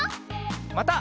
また。